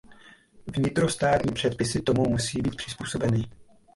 Vnitrostátní předpisy tomu musí být přizpůsobeny.